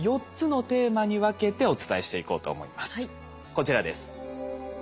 こちらです。